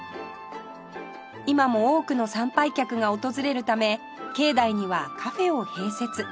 今も多くの参拝客が訪れるため境内にはカフェを併設